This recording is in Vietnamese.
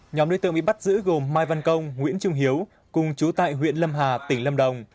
nhóm đối tượng bị bắt giữ gồm mai văn công nguyễn trung hiếu cùng chú tại huyện lâm hà tỉnh lâm đồng